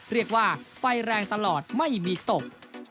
เรียกว่าไฟแรงตลอดไม่มีตก